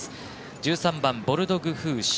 １３番、ボルドグフーシュ。